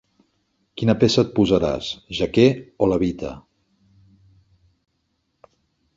Quina peça et posaràs: jaqué o levita?